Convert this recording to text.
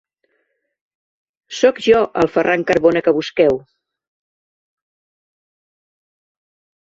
Sóc jo, el Ferran Carbona que busqueu!